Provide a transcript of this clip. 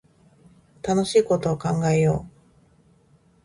楽しいこと考えよう